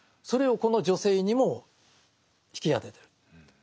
それをこの女性にも引き当ててる。